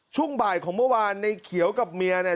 ช่วงบ่ายของเมื่อวานในเขียวกับเมียเนี่ย